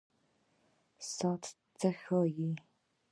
ساعت څه ښيي؟